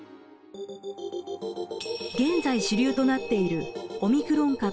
現在主流となっているオミクロン株ＢＡ．５。